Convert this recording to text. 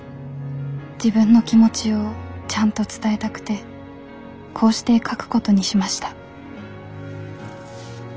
自分の気持ちをちゃんと伝えたくてこうして書くことにしました」。